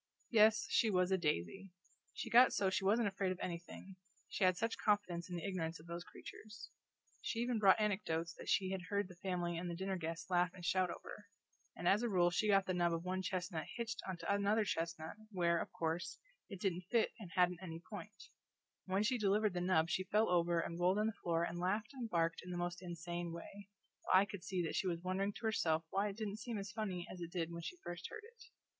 Yes, she was a daisy! She got so she wasn't afraid of anything, she had such confidence in the ignorance of those creatures. She even brought anecdotes that she had heard the family and the dinner guests laugh and shout over; and as a rule she got the nub of one chestnut hitched onto another chestnut, where, of course, it didn't fit and hadn't any point; and when she delivered the nub she fell over and rolled on the floor and laughed and barked in the most insane way, while I could see that she was wondering to herself why it didn't seem as funny as it did when she first heard it.